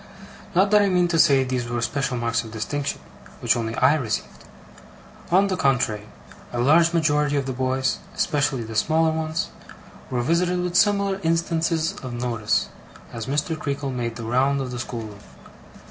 Not that I mean to say these were special marks of distinction, which only I received. On the contrary, a large majority of the boys (especially the smaller ones) were visited with similar instances of notice, as Mr. Creakle made the round of the schoolroom.